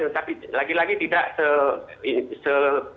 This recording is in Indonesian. tapi lagi lagi tidak se